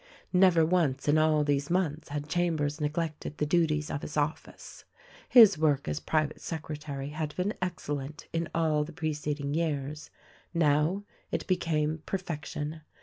Never once in all these months had Chambers neglected the duties of his office. His work as private secretary had been excellent, in all the preceding years, — now it became perfection.